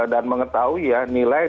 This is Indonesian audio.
dan mengetahui ya nilai